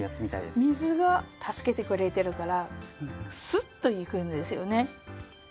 水が助けてくれてるからすっといくんですよね。